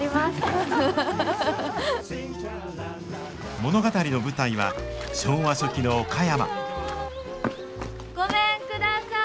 物語の舞台は昭和初期の岡山ごめんください。